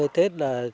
ba mươi tết là